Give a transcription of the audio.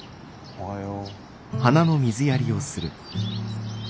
おはよう。